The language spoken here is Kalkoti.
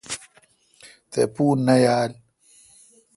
تہ پو نہ یال۔